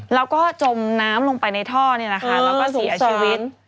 แล้วก็จมน้ำลงไปในท่อแล้วก็เสียชีวิต